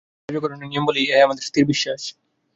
ইহাকেই কার্যকারণের নিয়ম বলে, ইহাই আমাদের স্থির বিশ্বাস।